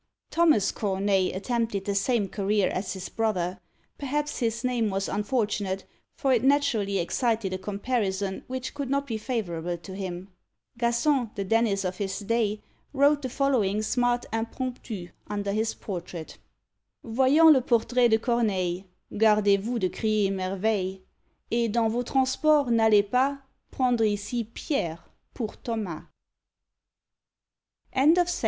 Thomas Corneille attempted the same career as his brother; perhaps his name was unfortunate, for it naturally excited a comparison which could not be favourable to him. Gaçon, the Dennis of his day, wrote the following smart impromptu under his portrait: Voyant le portrait de Corneille, Gardez vous de crier merveille; Et dans vos transports n'allez pas Prendre ici Pierre pour Thomas.